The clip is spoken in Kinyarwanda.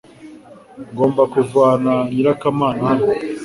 Ngomba kuvana nyirakamana hano